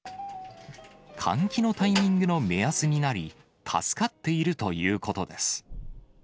換気のタイミングの目安になり、助かっているということです。